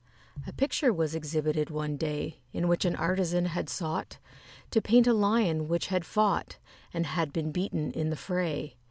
A picture was exhibited, one day, In which an artisan had sought To paint a lion which had fought, And had been beaten in the fray.